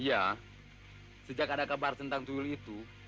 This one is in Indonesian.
iya sejak ada kabar tentang tulis itu